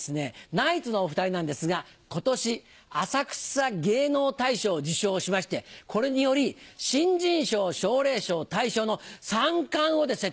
ナイツのお２人なんですが今年浅草芸能大賞を受賞しましてこれにより新人賞奨励賞大賞の３冠をですね